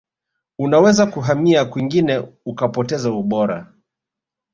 unaweza kuhamia kwingine ukapoteza ubora